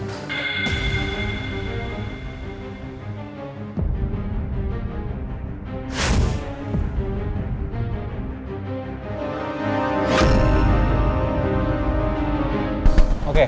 pasti bukan ini